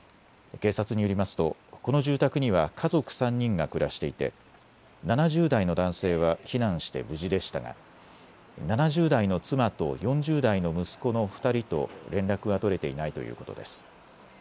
警察によりますとこの住宅には家族３人が暮らしていて７０代の男性は避難して無事でしたが、７０代の妻と４０代の息子の２人と連絡が取れていないということです。